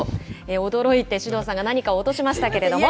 驚いて首藤さんが何か落としましたけれども。